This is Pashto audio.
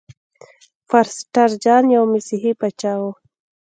پرسټر جان یو مسیحي پاچا و.